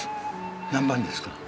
何番ですか？